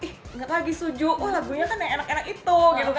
ih keinget lagi suju wah lagunya kan enak enak itu